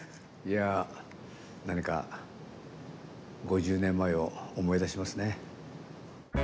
いや何か５０年前を思い出しますね。